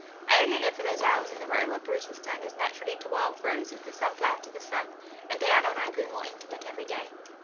I only lived for those hours in the Row, where Brutus turned as naturally to Wild Rose as the sunflower to the sun, and Diana and I grew more intimate every day.